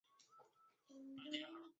在英国他有时被人。